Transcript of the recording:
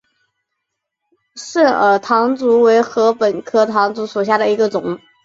肾耳唐竹为禾本科唐竹属下的一个种。